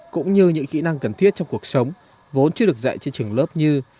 cũng như những kỹ năng cần thiết trong cuộc sống vốn chưa được dạy trên trường lớp như